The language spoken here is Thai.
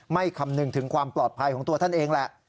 คำนึงถึงความปลอดภัยของตัวท่านเองแหละ